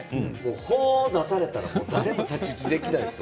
法を出されたら何も太刀打ちできないですよ。